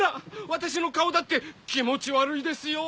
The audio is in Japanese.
私の顔だって気持ち悪いですよ。